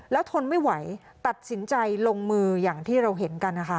แล้วทนไม่ไหวตัดสินใจลงมืออย่างที่เราเห็นกันนะคะ